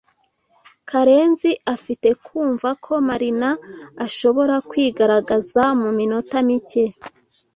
Karenzi afite kumva ko Marina ashobora kwigaragaza mu minota mike.